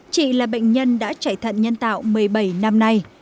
chị là bệnh nhân đã chạy thận nhân tạo một mươi bảy năm nay